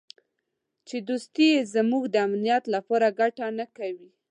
چې دوستي یې زموږ د امنیت لپاره ګټه نه کوي.